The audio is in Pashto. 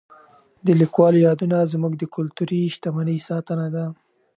د لیکوالو یادونه زموږ د کلتوري شتمنۍ ساتنه ده.